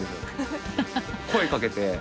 声かけて。